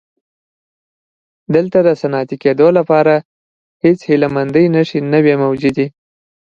دلته د صنعتي کېدو لپاره هېڅ هیله مندۍ نښې نه وې موجودې.